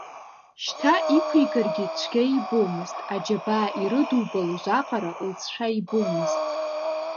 Шьҭа иқәигаргьы цәгьа ибомызт, аџьабаа ирыдубалоз аҟара лҵшәа ибомызт.